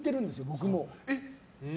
僕も。